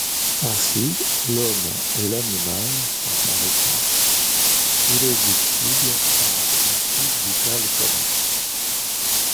Ainsi, l'homme et l'animal sont, par essence, irréductibles à un principe vital commun.